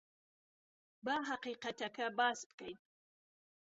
با ھەقیقەتەکە باس بکەین.